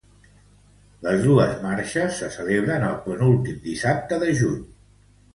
Les dos marxes se celebren el penúltim dissabte de juny.